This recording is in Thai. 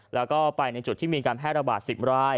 แล้วก็ไปในจุดที่มีการแพร่ระบาด๑๐ราย